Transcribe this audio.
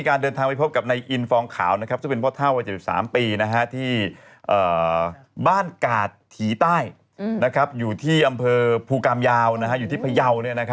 ก็นำดอกไม้ถูกเทียนดูสิทูบควันทูบเยอะ